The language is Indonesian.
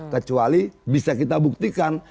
kecuali bisa kita buktikan